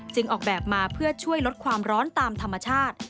ออกแบบมาเพื่อช่วยลดความร้อนตามธรรมชาติ